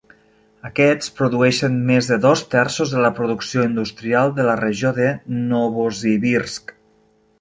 Aquests produeixen més de dos terços de la producció industrial de la regió de Novosibirsk.